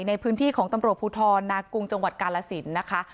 ในพื้นที่ของตำรวจภูทรนากุงจังหวัดกาลสินนะคะ